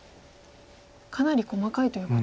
かなり細かいということ。